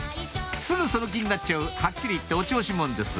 すぐその気になっちゃうはっきり言ってお調子者です